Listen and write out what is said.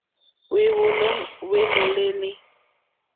Hwéwòló hwé mòlêlì.